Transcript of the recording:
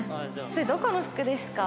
それどこの服ですか？